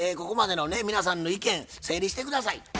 ここまでのね皆さんの意見整理して下さい。